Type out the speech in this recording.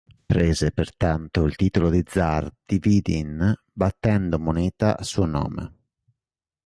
Prese pertanto il titolo di zar di Vidin battendo moneta a suo nome.